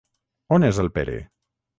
On és el Pere?